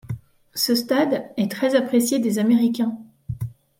Ce stade est très apprécié des Américains.